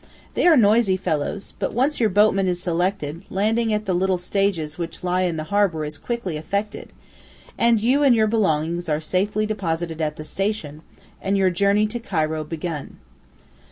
They are noisy fellows, but once your boatman is selected, landing at the little stages which lie in the harbour is quickly effected, and you and your belongings are safely deposited at the station, and your journey to Cairo begun.